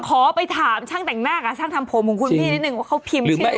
ขอไปถามช่างแต่งหน้ากับช่างทำผมของคุณพี่นิดนึงว่าเขาพิมพ์ใช่ไหม